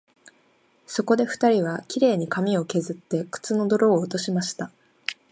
そこで二人は、綺麗に髪をけずって、靴の泥を落としました